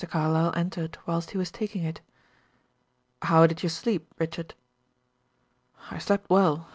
Carlyle entered whilst he was taking it. "How did you sleep, Richard?" "I slept well.